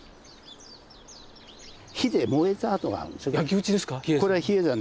火で燃えた跡があるんですよ。